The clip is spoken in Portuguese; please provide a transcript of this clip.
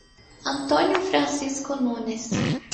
Antônio Francisco Nunes